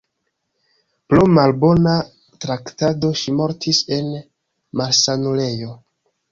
Pro malbona traktado ŝi mortis en malsanulejo.